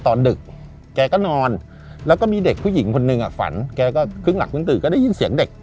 ดึกแกก็นอนแล้วก็มีเด็กผู้หญิงคนหนึ่งฝันแกก็ครึ่งหลังครึ่งตื่นก็ได้ยินเสียงเด็ก